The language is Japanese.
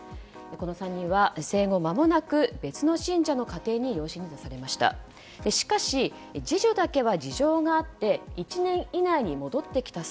この３人は生後間もなく別の信者の家庭に養子に出されました。